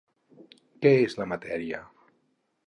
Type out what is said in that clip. Què és la matèria?